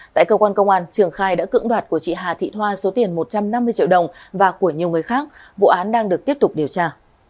tại cơ quan công an trường khai đã cưỡng đoạt của chị hà thị thoa số tiền một trăm năm mươi triệu đồng và của nhiều người khác vụ án đang được tiếp tục điều tra